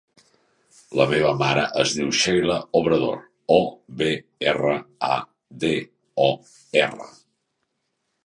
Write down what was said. La meva mare es diu Sheila Obrador: o, be, erra, a, de, o, erra.